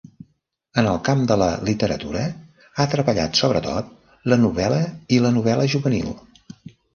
En el camp de la literatura, ha treballat sobretot la novel·la i la novel·la juvenil.